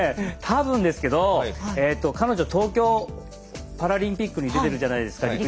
たぶんですけど彼女東京パラリンピックに出てるじゃないですか